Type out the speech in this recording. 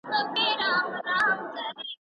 لويس دا کلمې یوازې د تنوع لپاره کاروي.